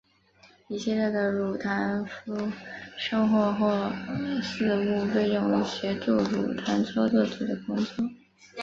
一系列的乳糖衍生物或类似物被认为协助乳糖操纵子的工作。